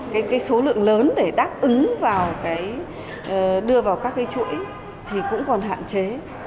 cái số lượng lớn để đáp ứng vào cái đưa vào các cái chuỗi thì cũng còn hạn chế